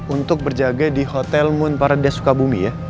untuk berjaga di hotel moon parade sukabumi ya